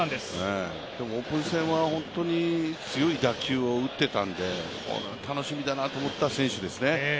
オープン戦は本当に強い打球を打ってたんでこれは楽しみだなと思った選手ですね。